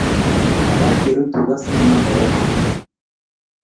Makat kerut tuga si manam korotwek